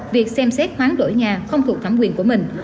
việc xem xét khoáng đổi nhà không thuộc thẩm quyền của mình